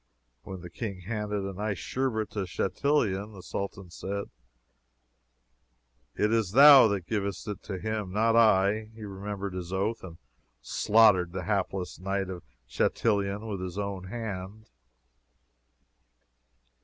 When the King handed an iced Sherbet to Chatillon, the Sultan said, "It is thou that givest it to him, not I." He remembered his oath, and slaughtered the hapless Knight of Chatillon with his own hand.